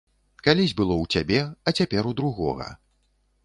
Калісь было ў цябе, а цяпер у другога.